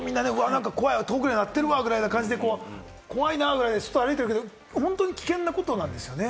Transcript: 遠くで鳴ってるわ、ぐらいの感じで怖いなぐらいで外歩いてるけど、本当に危険なことなんですよね。